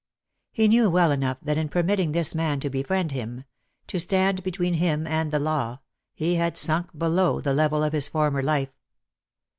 He knew well enough that in permitting this man to befriend him — to stand between him and the law — he had sunk below the level of his former life.